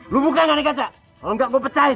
lu buka gak nih kaca kalau enggak gue pecahin